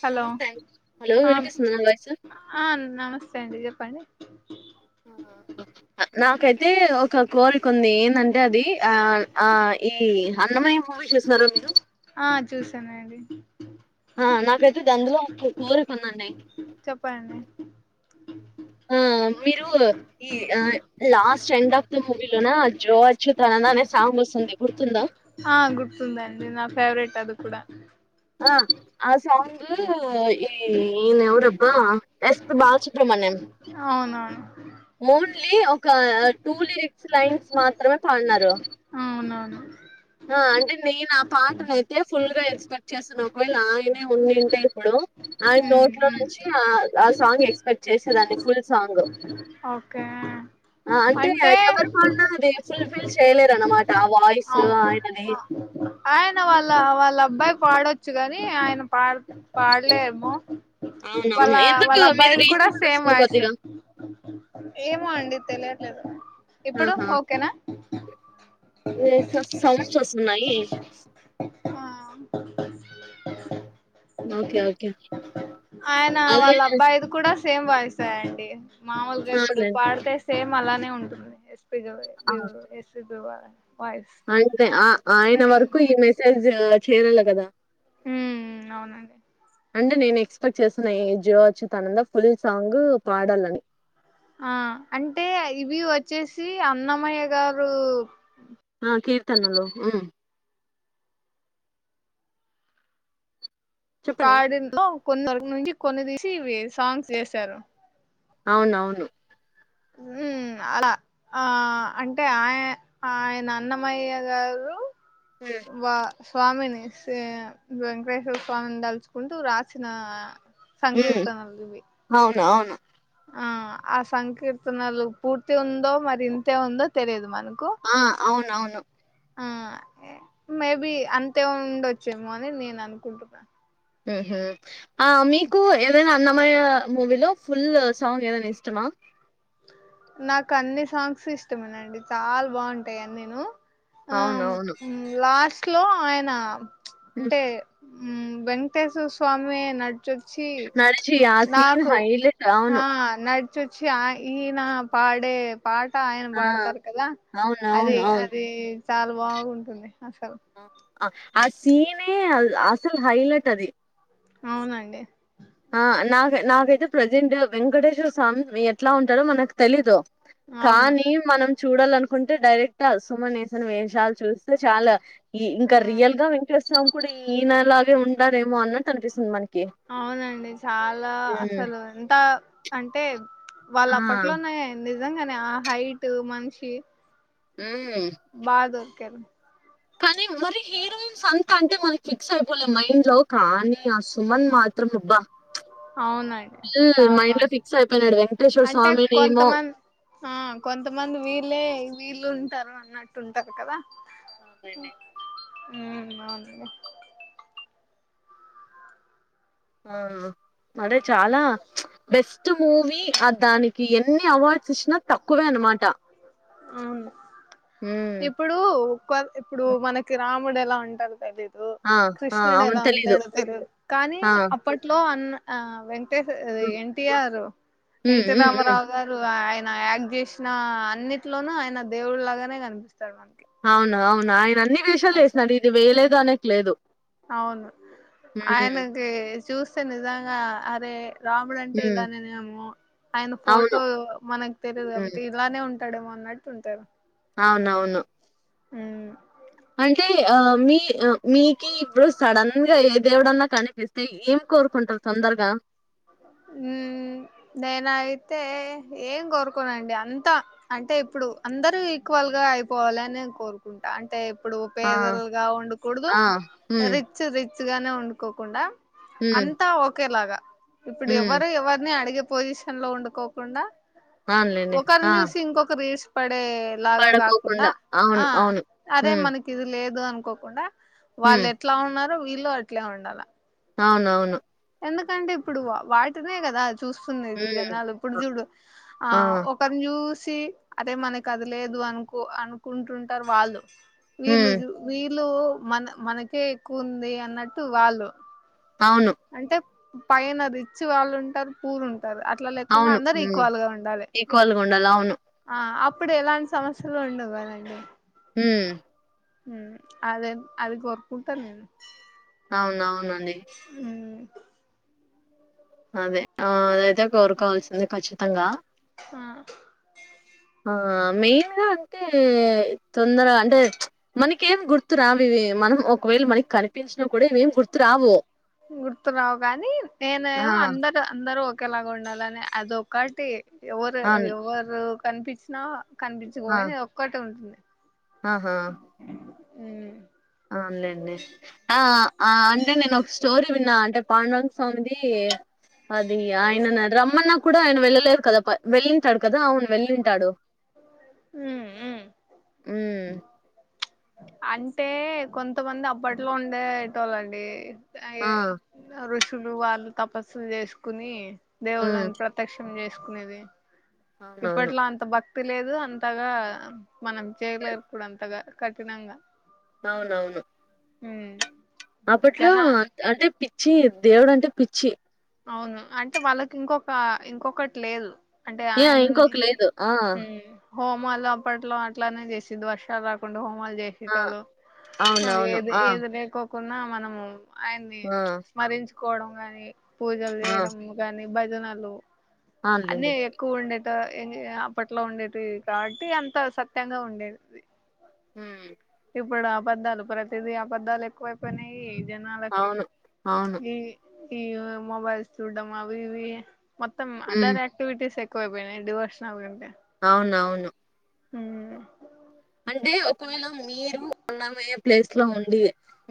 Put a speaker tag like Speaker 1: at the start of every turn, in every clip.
Speaker 1: Hello
Speaker 2: నమస్తే అండి. Hello
Speaker 1: ఆ
Speaker 2: వినిపిస్తుందా నా వాయిస్
Speaker 1: ఆ నమస్తే అండి చెప్పండి.
Speaker 2: నాకైతే ఒక కోరిక ఉంది ఏందం టే అది అయ్ అయ్ ఈ అన్నమయ్య మూవీ చూస్తున్నారా మీరు
Speaker 1: ఆ చూసాను అండి.
Speaker 2: ర [unintelligible]
Speaker 1: చెప్పండి.
Speaker 2: ఆ మీరు ఈ ఆ లాస్ట్ ఎండ్ ఆఫ్ ద మూవీలోనా జో అచ్చుత అనే సాంగ్ వస్తుంది గుర్తుందా
Speaker 1: ఆ గుర్తుందండి నా ఫేవరెట్ అది కూడా
Speaker 2: ఆ ఆ సౌంగ్ ఈ ఈనెవరబ్బా ఎస్ పి బాలసుబ్రమణ్యం
Speaker 1: అవునవును
Speaker 2: మోన్లీ ఒక అర్ టూ లిరిక్స్ లైన్స్ మాత్రమే పాడినారు
Speaker 1: అవునవును
Speaker 2: ఆ అంటే నేను ఆ పాటనైతే ఫుల్ గా ఎక్స్పెక్ట్ చేశాను ఒకవేళ ఆయనే ఉనింటే ఇప్పుడు ఆయన
Speaker 1: ఉమ్
Speaker 2: నోట్లో
Speaker 1: ఉమ్
Speaker 2: నుంచి ఆ ఆ సాంగ్ ఎక్స్పెక్ట్ చేసేదాన్ని ఫుల్ సాంగ్
Speaker 1: ఓకే
Speaker 2: ఆ అంటే ఎవరు పాడినా అది ఫుల్ఫిల్ చేయలేరనమాట ఆ వాయిస్
Speaker 1: అవును
Speaker 2: ఆయనది
Speaker 1: పాడొ చ్చు కాని ఆయన పాడు పాడలేమో వాళ్ళ
Speaker 2: అవునవును ఎందుకు
Speaker 1: వాళ్ళ
Speaker 2: మీది
Speaker 1: అబ్బాయిది కూడా
Speaker 2: రీసౌండ్
Speaker 1: సేమ్
Speaker 2: వస్తుంది
Speaker 1: వాయిస్
Speaker 2: కొద్దిగా
Speaker 1: ఏమో అండి తెలియట్లేదు ఇప్పుడు
Speaker 2: ఆహా!
Speaker 1: ఓకేనా
Speaker 2: ఉన్నయి.
Speaker 1: ఆ
Speaker 2: ఓకే ఓకే
Speaker 1: ఆయన
Speaker 2: అదే
Speaker 1: వాళ్ళ అబ్బాయిది కూడా సేమ్ వయిసే అండి మామూలుగా ఇప్పుడు
Speaker 2: అవునులేండి
Speaker 1: పాడితే సేమ్ అలానే ఉన్ [inaudible] పిగో పిగో ఎస్సీ వ
Speaker 2: అంతే ఆ ఆయన వరకు ఈ మెసేజ్ చరలా కదా
Speaker 1: హ అవునండి
Speaker 2: అంటే నేను ఎక్స్పెక్ట్ చేసిన ఈ జి వచ్చి తనంద ఫుల్ సాంగ్ పాడాలని
Speaker 1: ఆ అంటే ఇవి వచ్చేసి అన్నమయ్య గారు
Speaker 2: నాకి తన్నాలో చెప్పండి
Speaker 1: పాడి కొ నుంచి కొన్ని ద వి సాంగ్స్ లేసారు
Speaker 2: అవునవును
Speaker 1: ఉ అలా ఆ అంటే ఆయ ఆయన అన్నమయ్య గారు వా స్వామిని వెేంకటేశ్వర స్వామిని దలుచుకుంటూ రాసిన సంకీర్తనలువి
Speaker 2: జాము
Speaker 1: ఆ ఆ సంకీర్తనలు పూర్తి ఉందో మరి ఇంతే ఉందో తెలియదు మ
Speaker 2: ఆ అవునవును
Speaker 1: ఆ ఏ మేబి అంతే ఉండచ్చు ఏమో అని నేను అనుకుంటున్నాను
Speaker 2: హె హే ఆ మీకు ఎవైనా అన్నమయ మూవీలో ఫుల్ సాంగ్ ఏదైనా ఇష్టమా?
Speaker 1: నాకు అన్ని సాంగ్స్ ఇష్టమేనండి చాలా బాగుంటాయ్ అన్నిను ఉమ్
Speaker 2: అవునవును
Speaker 1: హమ్ లాస్ట్ క్లో ఆయన
Speaker 2: ఉమ్
Speaker 1: అంటే ఉమ్ వెేంకటేశ్వర స్వామి నడ్ చోచి
Speaker 2: నడిచి ఆ సీన్
Speaker 1: నాకు
Speaker 2: హైలైట్
Speaker 1: ఆ
Speaker 2: అవును
Speaker 1: నాడ్ తుర్చి ఆ ఈన పాడే పాట ఆయన
Speaker 2: ఆ
Speaker 1: బడతారు కదా, అది
Speaker 2: అవునవును అవును
Speaker 1: అది చాలా బాగుంటుంది అసలు
Speaker 2: అ ఆ సీనే అసలు హైలైట్ అది
Speaker 1: అవునండి
Speaker 2: ఆ నక్ నాకైతే ప్రజెంట్ వెంకటేశ్వర స్వామి ఎట్లా ఉంటాడో మనకు తెలీదు.
Speaker 1: అవును
Speaker 2: కానీ మనం చూడాలనుకుంటే డైరెక్ట్ ఆసుమనేసన్ వేషాలు చూస్తే చాల ఈ ఇంకా
Speaker 1: మ్మ్
Speaker 2: రియల్ గా వెంకటేశ్ స్వామి గుడి ఇనాలాగే ఉంటారేమో అన్నట్టు అనిపిస్తుంది మనక్
Speaker 1: అవునండి చాలా అసలు ఎంతా ఆ అంటే వాళ్ళ
Speaker 2: ఆ
Speaker 1: అప్పట్లోనే నిర్ నిజంగానా హైటు మనిషి
Speaker 2: ఉమ్
Speaker 1: బా దొరకరు
Speaker 2: కని మరి హీరోయిన్స్ అంతా అంటే మన ఫిక్స్ అయిపోలేం మైండ్ లో కానీ, ఆ సుమన్ మాత్రం అబ్బా
Speaker 1: అవునండి
Speaker 2: ఫుల్
Speaker 1: చాలా
Speaker 2: మైండ్ లో
Speaker 1: బాగుంటది
Speaker 2: ఫిక్స్ అయిపోయినాడు వెంకటేశ్వర
Speaker 1: అంటే
Speaker 2: స్వామినేమో
Speaker 1: కొంతమద్ ఆ కొంతమంది వీళ్ళే వీళ్ళు ఉంటారు అన్నట్టు ఉంటారు కదా
Speaker 2: అవున్లేండి
Speaker 1: ఉమ్ అవును అండి
Speaker 2: ఆ అదే చాలా బెస్ట్ మూవీ ఆ దానికి ఎన్ని అవార్డ్స్ ఇచ్చినా తక్కు
Speaker 1: అవును
Speaker 2: ఉమ్
Speaker 1: ఇప్పుడు కొ ఇప్పుడు మనకి రామ్ కుండలా ఉంటాది కదే హు ఊ
Speaker 2: ఆ ఆ
Speaker 1: కృష్ణుడు
Speaker 2: అవును
Speaker 1: ఎలా ఉంటాడు తెలీదు. కానీ
Speaker 2: ఆ
Speaker 1: అప్పట్లో అన్న ఆ వెం
Speaker 2: హ్మ్
Speaker 1: ఎన్టీఆర్
Speaker 2: హ్మ్
Speaker 1: ఎన్టి
Speaker 2: హ్మ్. హ్మ్.
Speaker 1: రామరావు గారు ఆ నా యాంగ్ చేసిన అన్నిట్లోనూ ఆయన దేవుడు లాగానే కనిపిస్తాడు మనకి.
Speaker 2: అవును అవును ఆయన అన్ని వేషాలు ఏసినాడు.
Speaker 1: అసలు
Speaker 2: ఇది వేయలేదు అనేకి లేదు.
Speaker 1: అవును
Speaker 2: హ్మ్.
Speaker 1: ఆయనకి చూస్తే నిజంగా అరే రాముడు అంటే
Speaker 2: హ్మ్.
Speaker 1: ఇలానేనేమో ఆయన
Speaker 2: అవును.
Speaker 1: ఫోటో మనకు తెలియదు.
Speaker 2: హ్మ్.
Speaker 1: కాబట్టి ఇలానే ఉం ఉంటాడేమో అన్నట్టు ఉంటాడు.
Speaker 2: అవునవును
Speaker 1: హ్మ్
Speaker 2: అంటే ఆ మీ అ మీకి ఇప్పుడు సడన్ గా ఏ దేవుడన్నా కనిపిస్తే ఏం కోరుకుంటారు తొందరగా.
Speaker 1: ఉ నేనయితే ఏం కోరుకోనండి అంతా అంటే ఇప్పుడు అందరు ఈక్వల్ గా అయిపోవాలని కోరుకుంటా. అంటే ఇప్పుడు
Speaker 2: ఆ!
Speaker 1: పేదలుగా ఉండకూడదు.
Speaker 2: ఆ! హ్మ్.
Speaker 1: రిచ్ రి ముద్దుగానే వండుకోకుండా
Speaker 2: హ్మ్.
Speaker 1: అంతా ఒకేలాగా ఇప్పుడు
Speaker 2: హ్మ్.
Speaker 1: ఎవరు ఎవరిని అడిగి పొజిషన్ లో ఉండుకోకుండా
Speaker 2: అవునులెండి.
Speaker 1: ఒకర్ని
Speaker 2: ఆ!
Speaker 1: చూసి ఇంకొకరు వే అండే లాగా కాకుండా
Speaker 2: పడుకోకుండా. అవును.
Speaker 1: ఆ
Speaker 2: అవును.
Speaker 1: అదే
Speaker 2: హ్మ్.
Speaker 1: మనకి ఇది లేదు. దో అనుకోకుండా
Speaker 2: హ్మ్.
Speaker 1: వాళ్ళు ఎట్లా ఉన్నారో వీళ్ళ లో అట్లా ఉండాల
Speaker 2: అవునవును
Speaker 1: ఎందుకంటే ఇప్పుడు వాటిదే కదా. చూస్తుంది అండి
Speaker 2: హ్మ్.
Speaker 1: జనాలు ఇప్పుడు చూడు ఆ ఒకరిని చూ సి అదే మనకు అది లేదు అనుకో అనుకుంటుంటారు వాళ్ళు. వీళ్లు
Speaker 2: హ్మ్.
Speaker 1: జు వీ ఇల్లు మన మనకే ఎక్కువ ఉంది అన్నట్టు వాళ్ళు.
Speaker 2: అవును
Speaker 1: అంటే పైన రిచ్చి వాళ్ళు ఉంటారు. పూరు ఉంట కాదు అట్లా లేకుండా
Speaker 2: అవును.
Speaker 1: అందరు
Speaker 2: హ్మ్.
Speaker 1: ఈక్వల్ గా ఉండాలి.
Speaker 2: ఈక్వల్‌గుండాలి. అవును.
Speaker 1: ఆ అప్ ఇప్పుడు ఎలాంటి సమస్యలు ఉండవు కదండి.
Speaker 2: హ్మ్
Speaker 1: అదే అది కోర్కుంటా నేను
Speaker 2: అవునవున నే
Speaker 1: ఉమ్,
Speaker 2: అదే ఆ అదయితే కోరుకోవాల్సింది కఖచ్చితంగా
Speaker 1: ఆ
Speaker 2: ఆ మెయిన్గా అంటే తొందరగా అంటే మనకేఏం గుర్తురావివి మనం ఒకవేళ మనకి కనెక్
Speaker 1: గుర్తున్నావు కానీ నేను
Speaker 2: ఆ!
Speaker 1: ఏమో అందరు అందరు ఒ ఒకే లాగ ఉండాలని అది ఒకటి ఎవరు
Speaker 2: అవును.
Speaker 1: ఎవరు కనిపించినా
Speaker 2: ఆ!
Speaker 1: కనిపించపోయినా అది ఒక్కటి ఉంటుంది
Speaker 2: ఆహా
Speaker 1: ఉమ్
Speaker 2: అవునులెండి ఆ ఆ అంటే నేను ఒక స్టోరీ న్న అంటే పాండురంగ స్వామిది అదయ్య అయన రమ్మన్నా కూడా ఆయన వెళ్ళలేేదు కదా ప వెళ్లింటాడు కదా అవును వెళ్ళింటాడు హ్మ్.
Speaker 1: అ అంటే కొంతమంది అప్పట్లో ఉండేటోళ్ళండి ఐ
Speaker 2: ఆ!
Speaker 1: ఋష్ లు వాళ్ళు తపస్సులు చేసుకుని
Speaker 2: హ్మ్.
Speaker 1: దేవుళ్ళని ప్రత్యక్షం చేస్ ఏది
Speaker 2: అవునవును.
Speaker 1: ఇప్పట్లో అంత భక్తి తెలిదు అంతగా మనం చేయలేరు కూడా అంతగా కట్నాంగా
Speaker 2: అవునవును
Speaker 1: హ
Speaker 2: అప్పట్లో అంటే పిచ్చి దేవుడు అంటే పిచ్చి
Speaker 1: అవును అంటే వాళ్ళకి ఇంకొక ఇంకొకటి లేదు అంటే
Speaker 2: ఏ
Speaker 1: ఆయన
Speaker 2: ఇంకొక లేదు ఆ
Speaker 1: హోమాలు అప్పట్లో అట్లానే చేసది వర్షాలు రాకుండా హో
Speaker 2: ఆ
Speaker 1: చేసేటో ఏ
Speaker 2: అవునవును ఆ
Speaker 1: ఏద కున్నా మనము ఆయన్ని
Speaker 2: ఆ
Speaker 1: స్మరించు కొడం గాని. పూజలు
Speaker 2: ఆ
Speaker 1: చేయడం గాని. భజనలు.
Speaker 2: అవునులేండి
Speaker 1: అన్నీ ఎక్కువ ఉండది. ఇ అప్పట్లో ఉండేది కాబట్టి అంత సత్యంగా ఉండేది.
Speaker 2: హమ్
Speaker 1: ఇప్పుడు ఆబద్దాలు ప్రతిదీ ఆబద్దాలు ఎక్కువైపోయినాయి. జనాలకి
Speaker 2: అవును అవును
Speaker 1: ఈ. ఈ మొబైల్స్ చూడ్డం అవి ఇవి. మొత్తం
Speaker 2: మ్మ్
Speaker 1: అదర్ ఆక్టివిటీస్ ఎ కోవైపోయినై డివోషనల్ కంటే
Speaker 2: అవునవును
Speaker 1: ఉమ్
Speaker 2: అంటే ఒకవేళ మీరు ఉన్నమయ్యే ప్లేస్ లో ఉండి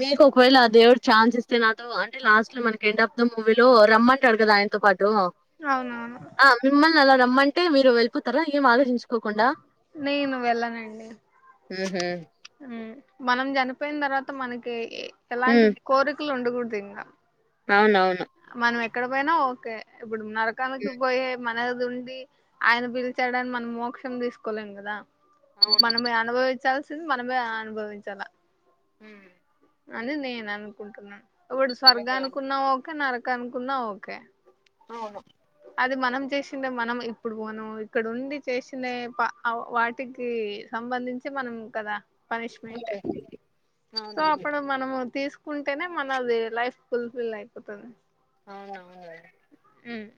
Speaker 2: మీకు ఒకవేళ దేవుడు ఛాన్స్ ఇస్తే నాతో అంటే లాస్ట్ లో మనకి ఎండ్ ఆఫ్ ద మూవీ లో రమ్మంటడు కదా ఆయనతో పాటు. టు
Speaker 1: అవునవును
Speaker 2: ఆ మిమ్మల్ని అలా రమ్ అమ్మంటే మీరు వెళ్ళిపోర ఏం ఆలోచించు.
Speaker 1: నేను వెళ్ళనండి.
Speaker 2: ఉ హు.
Speaker 1: మనం చనిపోయిన తర్వాత మనకి. ఎలాంటి
Speaker 2: మ్మ్
Speaker 1: కోరికలు ఉండ. కూడ్తిన్న.
Speaker 2: అవునవును.
Speaker 1: మనము ఎక్కడ బోయినా ఓకే. ఇప్పుడు నరకానికి
Speaker 2: మ్మ్
Speaker 1: పోయె అది ఉండి ఆయన పిలిచాడానీ మనం మోక్షం తీసుకోలేం కదా.
Speaker 2: అవును
Speaker 1: మనమే అనుభవించాల్స్ మనమే అనుభవించాల
Speaker 2: హుమ్
Speaker 1: అని నేను అనుకుంటున్నా ఇప్పుడు
Speaker 2: అవునవును
Speaker 1: స్వర్గానుకున్నా ఓ నరకానుకున్నా ఓకే
Speaker 2: అవును
Speaker 1: అది మనం చేసిందే మనం ఇప్పుడు మనం ఇక్కడ ఉండి చేసినే ప వాటికి సంబంధించి మనం కదా పనిష్మెంట్
Speaker 2: మ్మ్
Speaker 1: సో
Speaker 2: అవునవును
Speaker 1: అప్పుడు మనము తీసుకు కుంటేనే మనది లైఫ్ ఫుల్ ఫిల్ అయి పోతాది
Speaker 2: అవునవును లేండి
Speaker 1: అ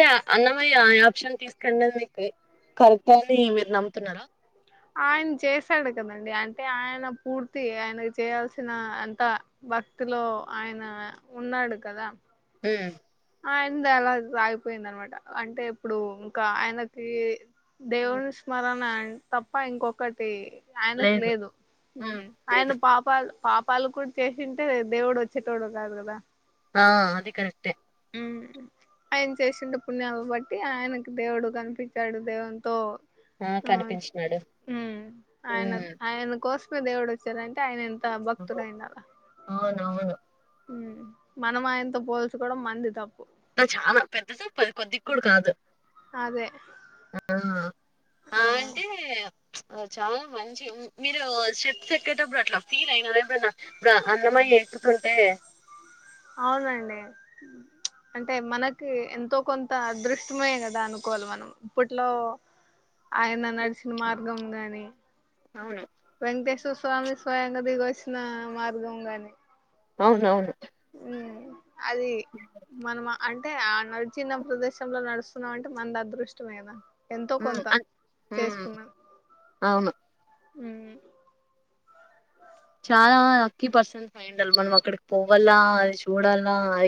Speaker 2: కరెక్టే అని మీరు నమ్ముతున్నారా
Speaker 1: ఆయన చేశాడు కదండి అంటే ఆయన పూర్తి ఆయనకు చేయాల్సిన అంత భక్తిలో ఆయన ఉన్నాడు కదా
Speaker 2: ఉ
Speaker 1: ఆయన్ ది అలా సాగిపోయింది అనమాట అంటే ఇప్పుడు ఇంకా ఆయనకి
Speaker 2: హ్మ్
Speaker 1: దేవుని స్మరణ ఆ తప్ప ఇంకొకటి ఆయనకు లేదు
Speaker 2: హ్మ్
Speaker 1: ఆయన
Speaker 2: లేదు
Speaker 1: పాపాలు పాపాలు కూడా చేసింటే దేవుడు వచ్చేటోడు కాదు కదా
Speaker 2: ఆ అదిే కరెక్టేఏ
Speaker 1: హు ఆయన చేసిన పుణ్యాలని బట్టి ఆయనకు దేవుడు కనిపించాడు దేవునితో
Speaker 2: ఆ కనిపించినాడు
Speaker 1: ఉమ్
Speaker 2: హు
Speaker 1: ఆయన [unintelligible] దేవుడు వచ్చారంటే ఆయన ఎం ఎంత భక్తుడు అయిండాల
Speaker 2: అవునవును
Speaker 1: ఊ మనం ఆయనతో పోల్చుకోవడం మంది తప్పు
Speaker 2: అంతా చాలా పెద్ద [unintelligible] కొద్దిగ కూడా కాదు
Speaker 1: అదే
Speaker 2: ఆ ఆ అంటే చాలా మంచి మీరు స్టెప్స్ ఎక్కేటప్పుడు అట్లా ఫీల్ అయినార ఎప్పుడైన ఇప్పుడు అన్నమయ్య ఎక్కుతుంటే
Speaker 1: అవునండి అంటే మనకి ఎంతో కొంత అదృష్టమే కదా అనుకోవాలి మనం ఇప్పట్లో ఆయన నడిచిన మార్గం గాని
Speaker 2: అవును
Speaker 1: వెంకటేశ్వర స్వామి స్వయంగా దిగ వచ్చిన మార్గం గాని
Speaker 2: అవునవును
Speaker 1: ఉ అది మనమా అంటే ఆయన వచ్చిన ప్రదేశంలో నడుస్తున్నాం అంటే మనది అదృష్టమే కదా ఎంతో
Speaker 2: అ
Speaker 1: కొంత
Speaker 2: ఆన్ హు అవును
Speaker 1: హు
Speaker 2: చాలా లక్కీ పర్సమీ అయిఉండాలి మనం అక్కడికి పోవాల్ల అది చూడాలన్న అ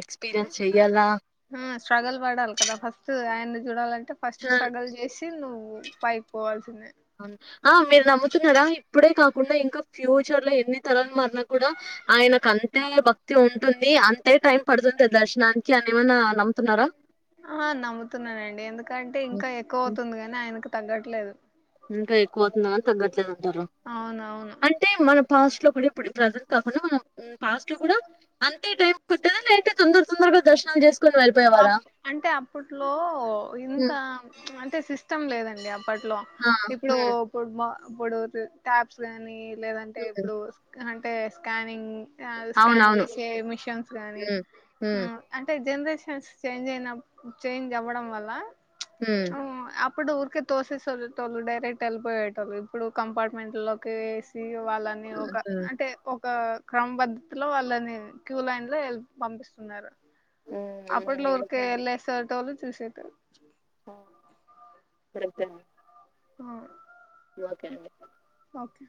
Speaker 1: ఆ స్ట్రగల్ల్ కదా ఫస్ట్ ఆయ్ న్ని చుడాలం అే ఫస్ట్
Speaker 2: చ-
Speaker 1: స్ట్రగల్ చేసి నువ్వు పైకి పోవల్
Speaker 2: అవును ఆ మీరు నమ్ముతున్నారా ఇప్పుడే కాకుండా ఇంకా ఫ్యూచర్ లో ఎన్ని తరాలు మ న కూడా ఆయనకు అంతే భక్తి ఉంటుంది అం టైమ్ పడుతుంది దర్శనానికి అని ఏమన్నా లం
Speaker 1: ఆ నమ్ముతున్నానండి ఎందుకంటే
Speaker 2: ఉం.
Speaker 1: ఇంకా ఎక్కువ
Speaker 2: ఉం.
Speaker 1: అవుతుంది గాని ఆయనకు తగ్గట్లేదు
Speaker 2: ఇంకా ఎక్కువ అవుతుందని తగ్గట్లేదు అంటార
Speaker 1: అవునవును
Speaker 2: అంటే మనం పాస్ట్ లో అప్పుడప్పుడు ప్రజర్ కాకుండా మనం పాస్ట్ లో కూడా అంతే టైం పట్టేద లేదా అందరు తొందరగా దర్శనాలు చేసుకొని వెళ్ళిపోయేవారా
Speaker 1: అప్ అంటే అప్పట్లో ఇంత
Speaker 2: హ్మ్
Speaker 1: అంటే సిస్టమ్ లేదండి అప్పట్లో ఇప్పుడు ఇప్పుడు అప్పుడు టాప్స్ అని లేదంటే
Speaker 2: ఉం, ఉం.
Speaker 1: ఇప్పుడు స్కరన్ట్ అంటే స్కానింగ్ ఆల్ స్కాన్
Speaker 2: అవునవును
Speaker 1: చేసే మిషన్స్ గానీ
Speaker 2: ఉం, ఉం.
Speaker 1: అంటే జనరే చెస్ చేంజ్ అయినం చేంజ్ అవ్వడం వల్ల
Speaker 2: హు
Speaker 1: ఇప్పుడు ఊరికే తోసేసిొళ్ేటళ్ళు డైరెక్ట్ వెళ్ళిపోయేటోళ్ళు ఇప్పుడు కంపార్ట్మెంట్ లోకి వేసి వాళ్ళని
Speaker 2: హ్మ్
Speaker 1: ఒక
Speaker 2: హ్మ్
Speaker 1: అంటే ఒక క్రమ పద్ధతిలో వాళ్ళని క్యూ లైన్ లో ఎల్ పంపిస్తున్నారు అప్పుట్లో
Speaker 2: అవునండి
Speaker 1: ఊరికే ఎల్లెసేటోళ్ళు చూసేతరా
Speaker 2: ఇప్పుడెల్త
Speaker 1: ఆ
Speaker 2: ఓకే అండి
Speaker 1: ఓకే